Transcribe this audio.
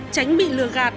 tránh bị lừa gạt